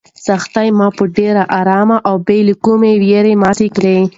سختۍ مې په ډېرې ارامۍ او بې له کومې وېرې ماتې کړې.